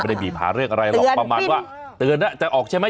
ไม่ได้บีบหาเรื่องอะไรหรอกตือนจอกประมาณว่า